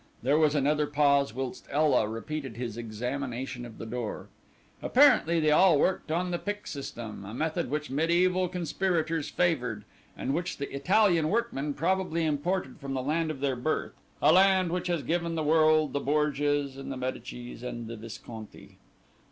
There was another pause whilst Ela repeated his examination of the door. Apparently they all worked on the pick system, a method which medieval conspirators favoured, and which the Italian workmen probably imported from the land of their birth; a land which has given the world the Borgias and the Medicis and the Visconti.